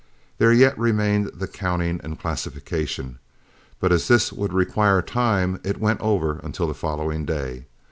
There yet remained the counting and classification, but as this would require time, it went over until the following day.